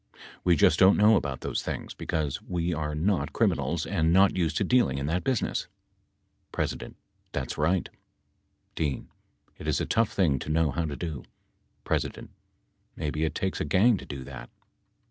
We just don't know about those things, because we are not criminals and not used to dealing in that business. P. That's right. D. It is a tough thing to know how to do. P. Maybe it takes a gang to do that.